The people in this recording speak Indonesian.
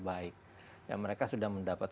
baik dan mereka sudah mendapat